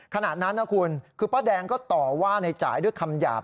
ขณะนั้นนะคุณคือป้าแดงก็ต่อว่าในจ่ายด้วยคำหยาบ